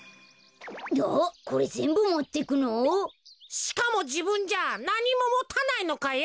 しかもじぶんじゃなにももたないのかよ。